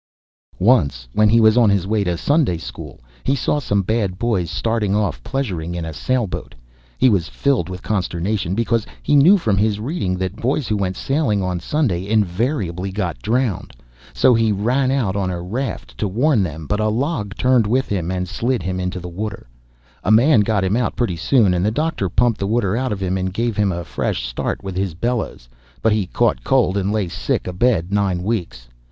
Once, when he was on his way to Sunday school, he saw some bad boys starting off pleasuring in a sailboat. He was filled with consternation, because he knew from his reading that boys who went sailing on Sunday invariably got drowned. So he ran out on a raft to warn them, but a log turned with him and slid him into the river. A man got him out pretty soon, and the doctor pumped the water out of him, and gave him a fresh start with his bellows, but he caught cold and lay sick abed nine weeks.